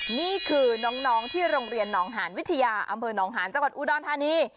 นี่คือน้องที่โรงเรียนหนองหานวิทยาอำเภอหนองหาญจังหวัดอุดรธานี